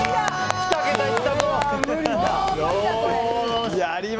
２桁いったぞ！